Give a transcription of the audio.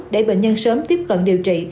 để bệnh nhân sớm tiếp cận điều trị